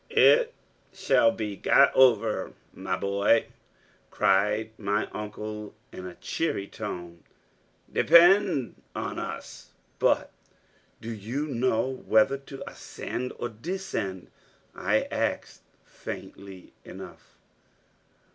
.......... "It shall be got over, my boy," cried my uncle in a cheery tone; "depend on us." .......... "But do you know whether to ascend or descend?" I asked faintly enough.